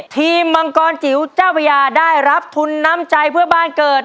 มังกรจิ๋วเจ้าพระยาได้รับทุนน้ำใจเพื่อบ้านเกิด